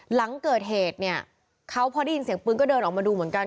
หลังเกิดเหตุเนี่ยเขาพอได้ยินเสียงปืนก็เดินออกมาดูเหมือนกัน